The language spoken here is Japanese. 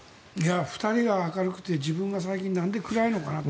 ２人が明るくて自分が最近なんで暗いのかなって。